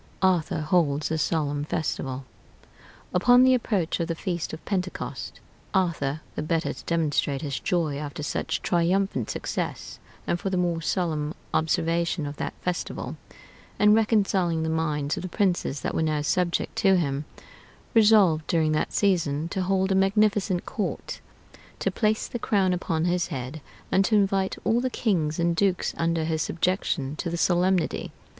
ARTHUR HOLDS A SOLEMN FESTIVAL Upon the approach of the feast of Pentecost, Arthur, the better to demonstrate his joy after such triumphant success, and for the more solemn observation of that festival, and reconciling the minds of the princes that were now subject to him, resolved, during that season, to hold a magnificent court, to place the crown upon his head, and to invite all the kings and dukes under his subjection to the solemnity.